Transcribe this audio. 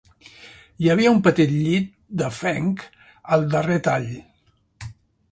Hi havia un petit llit de fenc del darrer tall.